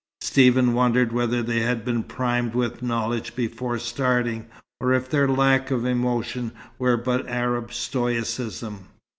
Stephen wondered whether they had been primed with knowledge before starting, or if their lack of emotion were but Arab stoicism.